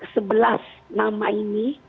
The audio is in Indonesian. sebelah nama ini